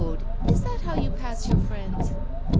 is that how you pass your friends?